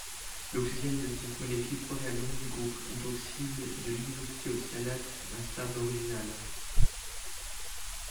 L'oxygène de cette molécule provient donc du groupe hydroxyle de l'isothiocyanate instable original.